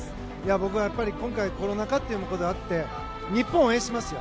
僕はやっぱり今回、コロナ禍ということで日本を応援しますよ。